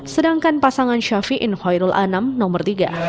sedangkan pasangan syafi'in khairul anam nomor tiga